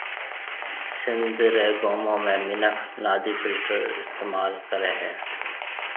سنڌ رَي گومون ۾ منک نادِي فلٽر استعمال ڪرَي ھيَََ